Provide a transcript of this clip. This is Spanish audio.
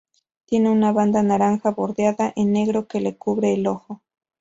Tiene una banda naranja, bordeada en negro, que le cubre el ojo.